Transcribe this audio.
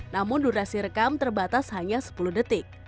namun durasi rekam terbatas hanya sepuluh detik